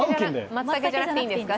まつたけじゃなくていいんですか？